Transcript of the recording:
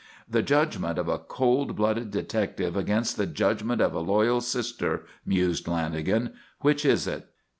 "The judgment of a cold blooded detective against the judgment of a loyal sister," mused Lanagan. "Which is it?"